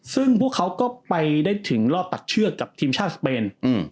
ซึ่งพวกเขาก็ไปได้ถึงรอบตัดเชือกกับทีมชาติสเปน